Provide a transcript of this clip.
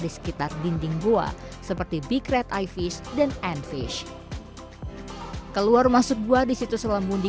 di sekitar dinding gua seperti big red eye fish dan ant fish keluar masuk gua di situs lembuni